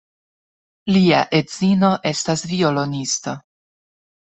Lia edzino estas violonisto.